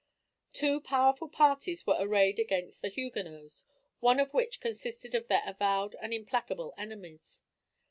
Two powerful parties were arrayed against the Huguenots, one of which consisted of their avowed and implacable enemies.